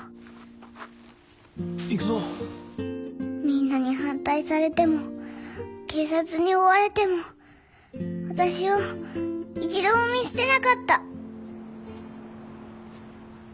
みんなに反対されても警察に追われても私を一度も見捨てなかった。